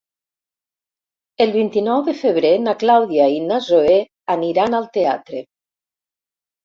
El vint-i-nou de febrer na Clàudia i na Zoè aniran al teatre.